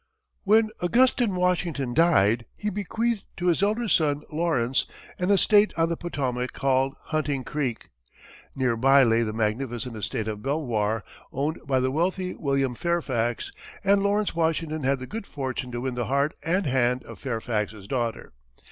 When Augustine Washington died, he bequeathed to his elder son, Lawrence, an estate on the Potomac called Hunting Creek. Near by lay the magnificent estate of Belvoir, owned by the wealthy William Fairfax, and Lawrence Washington had the good fortune to win the heart and hand of Fairfax's daughter.